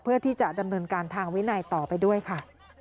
เพื่อที่จะดำเนินการทางวินัยต่อไปด้วยค่ะ